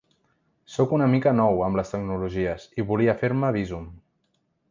Soc una mica nou amb les tecnologies, i volia fer-me bizum.